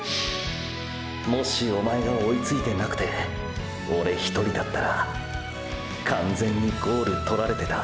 もしおまえが追いついてなくてオレ一人だったら完全にゴール獲られてた。